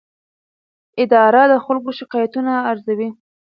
اداره د خلکو شکایتونه ارزوي.